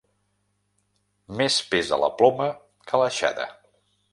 Més pesa la ploma que l'aixada.